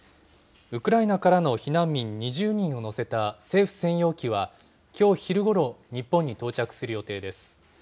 ウクライナからの避難民２０人を乗せた政府専用機は、きょう昼ごろ、日本に到着する予定です。